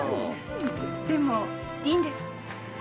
でもいいんです。